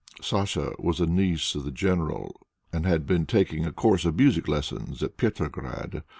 Sacha was a niece of the general, and had been taking a course of music lessons at Petrograd.